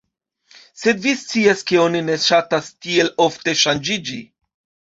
Sed vi scias ke oni ne ŝatas tiel ofte ŝanĝiĝi."